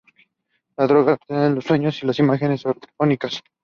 La droga altera el sueño y las imágenes oníricas.